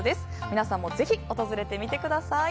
皆さんもぜひ訪れてみてください。